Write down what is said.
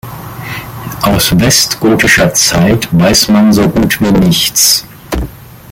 Aus westgotischer Zeit weiß man so gut wie nichts.